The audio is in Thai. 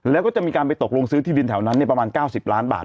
แล้วก็จะมีการไปตกลงซื้อที่ดินแถวนั้นประมาณ๙๐ล้านบาท